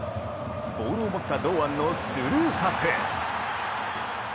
ボールを持った堂安のスルーパス。